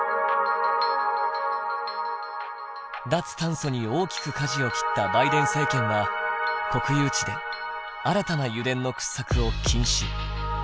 脱炭素に大きくかじを切ったバイデン政権は国有地で新たな油田の掘削を禁止。